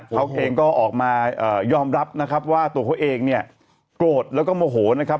เขาเองก็ออกมายอมรับว่าตัวเขาเองโกรธแล้วก็โมโหนะครับ